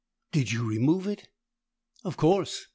"Did you remove it?" "Of course.